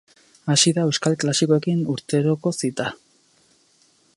Hasi da euskal klasikoekin urteroko zita.